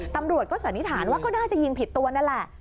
ตำรวจก็สันนิษฐานว่าก็น่าจะยิงผิดตัวนั่นแหละ